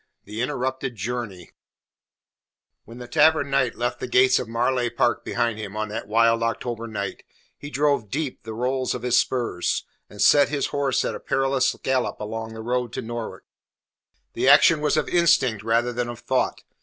THE INTERRUPTED JOURNEY When the Tavern Knight left the gates of Marleigh Park behind him on that wild October night, he drove deep the rowels of his spurs, and set his horse at a perilous gallop along the road to Norwich. The action was of instinct rather than of thought.